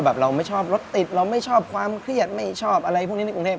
เราไม่ชอบรถติดเราไม่ชอบความเครียดไม่ชอบอะไรพวกนี้ในกรุงเทพ